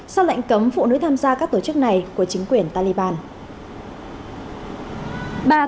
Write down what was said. sau lệnh cấm phụ nữ tham gia các tổ chức này của chính quyền taliban